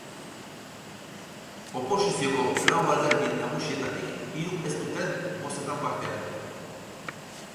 Oposizioko lau alderdi nagusietatik hiruk ez dute bozetan parte hartu.